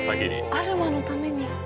アルマのために。